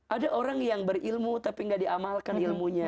ada orang yang berilmu tapi gak diamalkan ilmunya